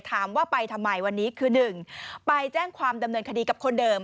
ถามว่าไปทำไมวันนี้คือ๑ไปแจ้งความดำเนินคดีกับคนเดิม